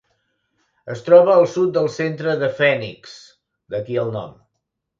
Es troba al sud del centre de Phoenix, d'aquí el nom.